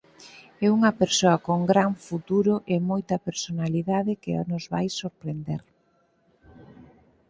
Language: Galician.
É unha persoa con gran futuro e moita personalidade que nos vai sorprender".